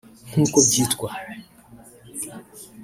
Nk’uko byitwa